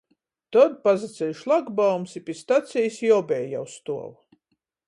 Tod pasaceļ šlakbaums, i pi stacejis jī obeji jau stuov.